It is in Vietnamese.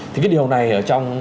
thì cái điều này ở trong